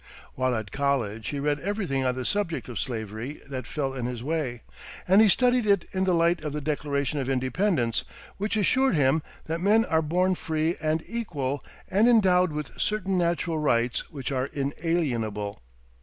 While at college he read everything on the subject of slavery that fell in his way, and he studied it in the light of the Declaration of Independence, which assured him that men are born free and equal and endowed with certain natural rights which are inalienable.